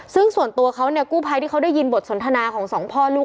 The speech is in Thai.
ซึ่งส่วนตัวเขาเนี่ยกู้ภัยที่เขาได้ยินบทสนทนาของสองพ่อลูก